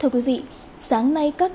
đồng bằng sông kiểu long